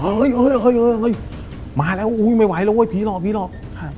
เฮ้ยเฮ้ยเฮ้ยเฮ้ยมาแล้วอุ้ยไม่ไหวแล้วเพียรอกเพียรอก